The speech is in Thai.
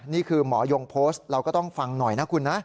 นี่คือหมอยงโพสต์เราก็ต้องฟังหน่อยนะคุณนะ